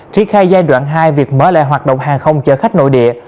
trí khai giai đoạn hai việc mở lại hoạt động hàng không cho khách nội địa